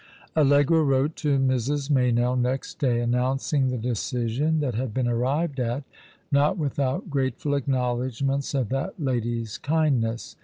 Allegra wrote to Mrs. Meynell next day, announcing the decision that had been arrived at, not without grateful acknowledgments of that lady's kindness.